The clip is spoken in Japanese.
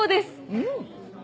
うん！